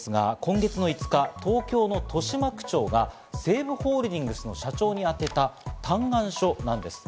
今月の５日、東京の豊島区長が西武ホールディングスの社長に宛てた嘆願書なんです。